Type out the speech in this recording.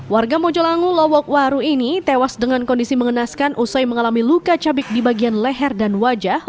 warga mojolangu lowokwaru ini tewas dengan kondisi mengenaskan usai mengalami luka cabik di bagian leher dan wajah